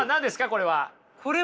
これは。